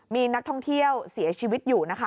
มีนักท่องเที่ยวเสียชีวิตอยู่นะคะ